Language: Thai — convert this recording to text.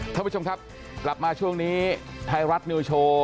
ท่านผู้ชมครับกลับมาช่วงนี้ไทยรัฐนิวโชว์